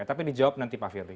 tapi dijawab nanti pak firly